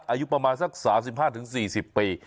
อายุประมาณสักสามสิบห้าถึงสี่สิบปี